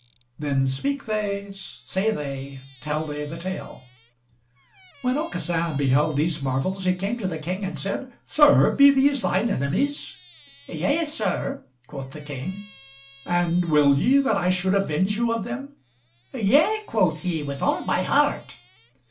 Then speak they, say they, tell they the Tale: When Aucassin beheld these marvels, he came to the King, and said, "Sir, be these thine enemies?" "Yea, Sir," quoth the King. "And will ye that I should avenge you of them?" "Yea," quoth he, "with all my heart."